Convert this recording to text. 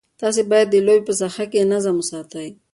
تاسي باید د لوبې په ساحه کې نظم وساتئ.